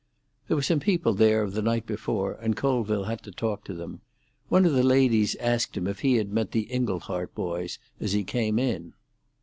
There were some people there of the night before, and Colville had to talk to them. One of the ladies asked him if he had met the Inglehart boys as he came in.